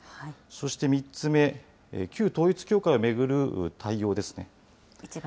そして３つ目、旧統一教会を巡る対応ですね。